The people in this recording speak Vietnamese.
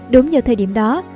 đúng vào thời điểm đó